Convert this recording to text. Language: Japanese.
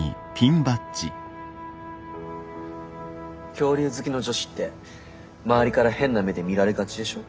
恐竜好きの女子って周りから変な目で見られがちでしょ？